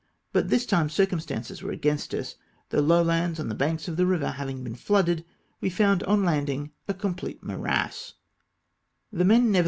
But this time circumstances were against us. The lowlands on the banks of the river having been flooded, we found on landing a complete morass ; the men never 284 DEJIOLISII A TELEGRAPH.